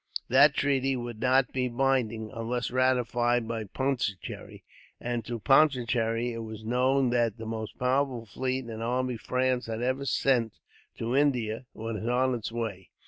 That treaty would not be binding, unless ratified by Pondicherry; and to Pondicherry it was known that the most powerful fleet and army France had ever sent to India was on its way.